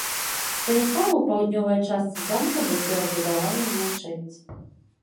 Станіслава ў паўднёвай частцы замка быў перабудаваны ў мячэць.